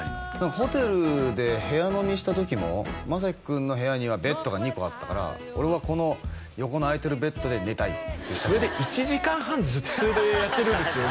ホテルで部屋飲みしたときも将生くんの部屋にはベッドが２個あったから「俺はこの横の空いてるベッドで寝たい」それで１時間半ずっとやってるんですよ